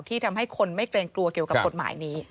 ทำให้คนไม่เกรงกลัวเกี่ยวกับกฎหมายนี้